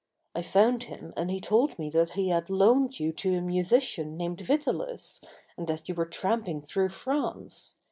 I found him and he told me that he had loaned you to a musician named Vitalis and that you were tramping through France.